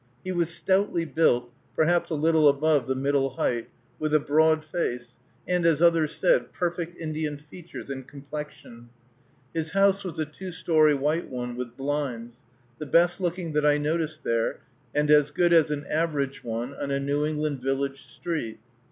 He was stoutly built, perhaps a little above the middle height, with a broad face, and, as others said, perfect Indian features and complexion. His house was a two story white one, with blinds, the best looking that I noticed there, and as good as an average one on a New England village street.